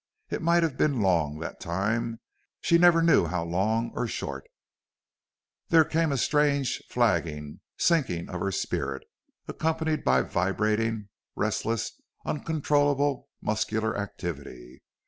It might have been long, that time; she never knew how long or short. There came a strange flagging, sinking of her spirit, accompanied by vibrating, restless, uncontrollable muscular activity.